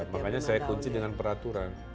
makanya saya kunci dengan peraturan